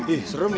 ih serem ya